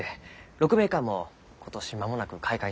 鹿鳴館も今年間もなく開館いたします。